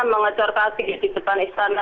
mengecorkasi di depan istana